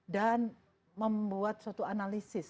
dan membuat suatu analisis